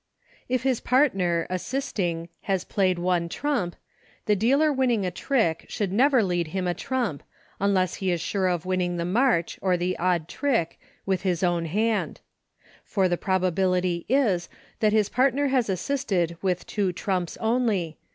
If his partner, assisting, has played one trump, the dealer winning a trick should never lead him a trump, unless he is sure of winning the march, or the odd trick, with his own hand; for the probability is that his partner has assisted with two trumps only, 126 EUCHRE.